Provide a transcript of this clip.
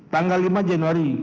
tanggal lima januari